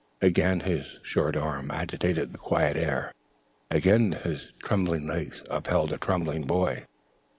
Again his short arm agitated the quiet air. Again his trembling legs upheld a trembling boy.